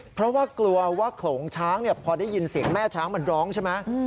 เพราะว่ากลัวว่าโขลงช้างพอได้ยินเสียงแม่ช้างมันร้องใช่ไหม